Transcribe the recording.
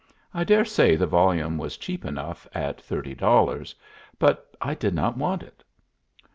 I dare say the volume was cheap enough at thirty dollars, but I did not want it.